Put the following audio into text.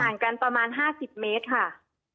กันประมาณ๕๐เมตรค่ะ